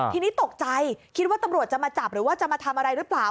ทีนี้ตกใจคิดว่าตำรวจจะมาจับหรือว่าจะมาทำอะไรหรือเปล่า